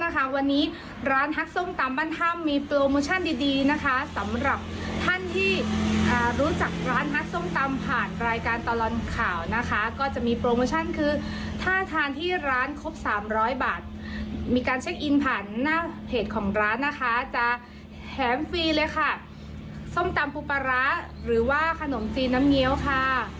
แหงฟรีเลยค่ะส้มตำปูปาร้าหรือว่าขนมจีนน้ำเงี้ยวค่ะขอบคุณมากค่ะ